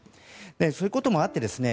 そういうこともあってですね